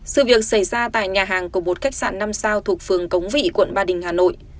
sự việc xảy ra tại nhà hàng của một khách sạn năm sao thuộc phường cống vị quận ba đình hà nội